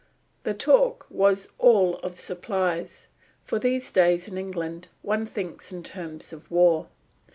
The talk was all of supplies, for these days in England one thinks in terms of war.